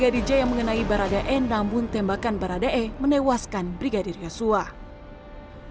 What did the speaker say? tidak ada kerja yang mengenai barada e namun tembakan barada e menewaskan brigadir yoso hota